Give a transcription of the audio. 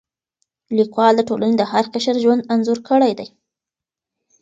لیکوال د ټولنې د هر قشر ژوند انځور کړی دی.